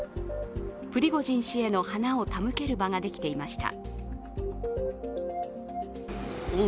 プリゴジン氏への花を手向ける場ができていました。